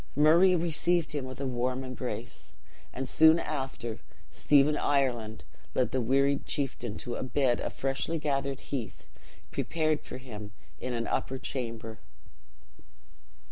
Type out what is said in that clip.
Murray received him with a warm embrace; and, soon after, Stephen Ireland led the wearied chieftain to a bed of freshly gathered heath, prepared for him in an upper chamber.